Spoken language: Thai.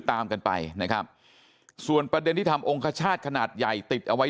ตามกันไปนะครับส่วนประเด็นที่ทำองคชาติขนาดใหญ่ติดเอาไว้